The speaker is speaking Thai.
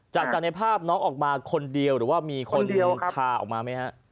จากในภาพน้องออกมาคนเดียวหรือว่ามีคนพาออกมาไหมฮะ